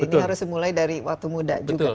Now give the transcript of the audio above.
ini harus dimulai dari waktu muda juga